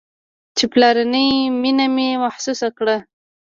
چې پلرنۍ مينه مې محسوسه کړه.